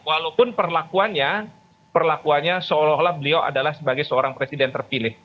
walaupun perlakuannya seolah olah beliau adalah sebagai seorang presiden terpilih